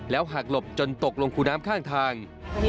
หักหลบจนตกลงคูน้ำข้างทาง